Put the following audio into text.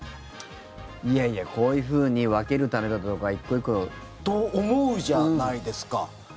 いやいやこういうふうに分けるためだとか１個１個。と思うじゃないですか。